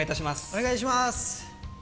お願いします。